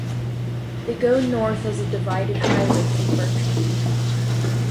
They go north as a divided highway through Bertram.